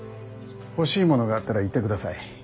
欲しいものがあったら言ってください。